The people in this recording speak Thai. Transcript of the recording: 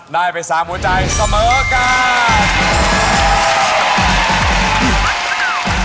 ได้ไป๓หัวใจเสมอกัน